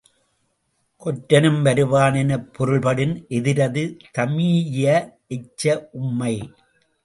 கொற்றனும் வருவான் எனப் பொருள்படின் எதிரது தமீஇய எச்ச உம்மை.